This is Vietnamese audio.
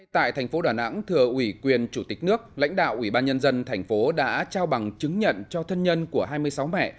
tại thành phố đà nẵng thừa ủy quyền chủ tịch nước lãnh đạo ủy ban nhân dân thành phố đã trao bằng chứng nhận cho thân nhân của hai mươi sáu mẹ